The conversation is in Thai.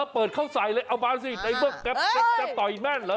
เปิดเข้าใสเลยเอามาสิไอ้พวกแกบจะต่ออีกแม่นหรือ